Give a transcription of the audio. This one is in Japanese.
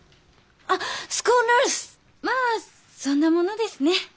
まあそんなものですね。